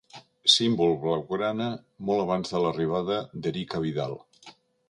Símbol blaugrana molt abans de l'arribada d'Eric Abidal.